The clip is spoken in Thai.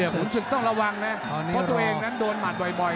ขุนศึกต้องระวังนะเพราะตัวเองนั้นโดนหมัดบ่อย